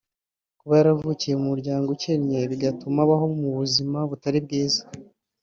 Kuba yaravukiye mu muryango ukennye bigatuma abaho mu buzima butari bwiza